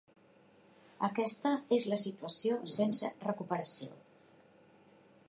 Aquesta és la situació sense recuperació.